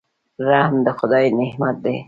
رحم د خدای نعمت دی.